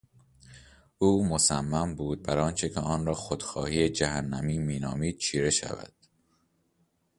او مصصم بود بر آنچه که آن را خودخواهی جهنمی مینامید چیره شود.